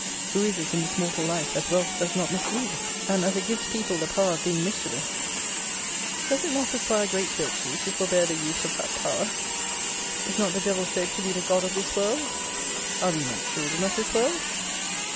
Who is it in this mortal life that wealth does not mislead? And as it gives people the power of being mischievous, does it not require great virtue to forbear the use of that power? Is not the devil said to be the god of this world? Are we not children of this world?